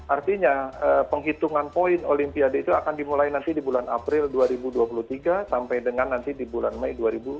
artinya penghitungan poin olimpiade itu akan dimulai nanti di bulan april dua ribu dua puluh tiga sampai dengan nanti di bulan mei dua ribu dua puluh